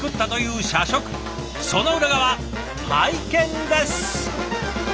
その裏側拝見です。